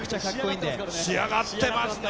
仕上がってますね。